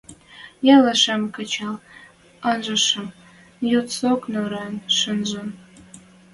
Ялашем кычал анжышым – ньоцок нӧрен шӹнзӹн.